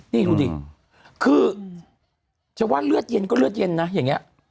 นี่ดูดิคือจะว่าเลือดเย็นก็เลือดเย็นนะอย่างนี้